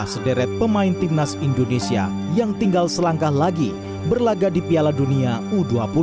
sederet pemain timnas indonesia yang tinggal selangkah lagi berlaga di piala dunia u dua puluh